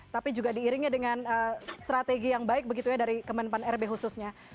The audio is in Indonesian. tapi juga diiringnya dengan strategi yang baik begitunya dari kemenpan rb khususnya